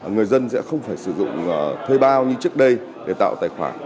người dân sẽ không phải sử dụng thuê bao như trước đây để tạo tài khoản